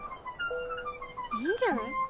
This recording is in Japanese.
いいんじゃない？